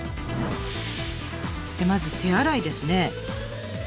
まず手洗いですね。